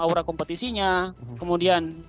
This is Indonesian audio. aura kompetisinya kemudian